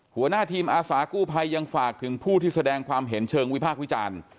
หัวหน้าทีมอาสากู้ภัยยังฝากถึงผู้ที่แสดงความเห็นเชิงวิพากษ์วิจารณ์